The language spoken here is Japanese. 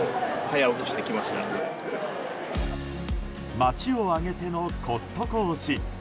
町を挙げてのコストコ推し。